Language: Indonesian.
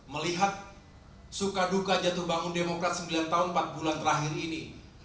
melihat suka duka jatuh bangun demokrat sembilan tahun empat bulan terakhir ini